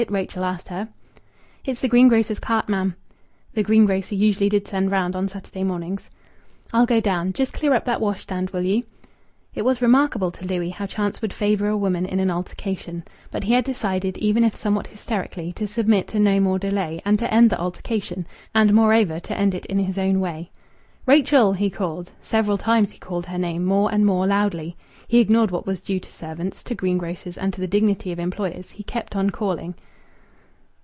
Rachel asked her. "It's the greengrocer's cart, ma'am." The greengrocer usually did send round on Saturday mornings. "I'll go down. Just clear up that washstand, will you?" It was remarkable to Louis how chance would favour a woman in an altercation. But he had decided, even if somewhat hysterically, to submit to no more delay, and to end the altercation and moreover, to end it in his own way. "Rachel!" he called. Several times he called her name, more and more loudly. He ignored what was due to servants, to greengrocers, and to the dignity of employers. He kept on calling.